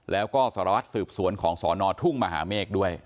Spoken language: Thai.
แล้วก็สารวัตรสืบสวนของสอนอทุ่งมหาเมฆด้วย